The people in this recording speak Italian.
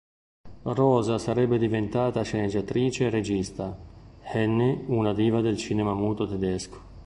Rosa sarebbe diventata sceneggiatrice e regista, Henny una diva del cinema muto tedesco.